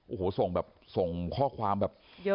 โอ้โหส่งแบบเหียงแบบ